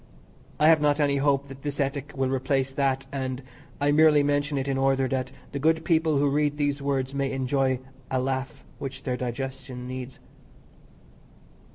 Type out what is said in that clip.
I have not any hope that this ethic will replace that, and I merely mention it in order that the good people who read these words may enjoy the laugh which their digestion needs.